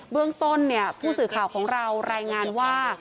เรื่องต้นผู้สื่อข่าวของเรารายงานว่า